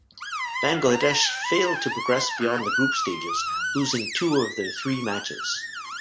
Bangladesh failed to progress beyond the group stages, losing two of their three matches.